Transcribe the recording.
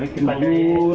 sudah di dua ribu enam belas